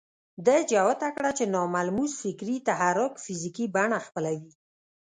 ده جوته کړه چې ناملموس فکري تحرک فزيکي بڼه خپلوي.